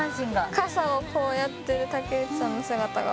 傘をこうやってる竹内さんの姿が。